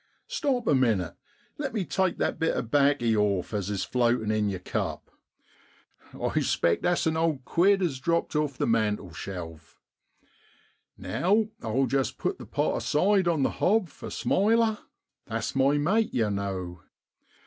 Stop a minnit, let me take that bit of 'baccy off as is floatin' in yer cup ; I'spect that's an old quid as dropped off the mantel shelf! Now I'll just put the pot aside on the hob for ' Smiler,' that's my mate, yow know.